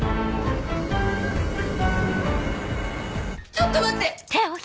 ちょっと待って！